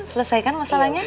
selesai kan masalahnya